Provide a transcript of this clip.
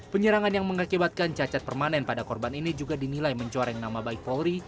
penyerangan yang mengakibatkan cacat permanen pada korban ini juga dinilai mencoreng nama baik polri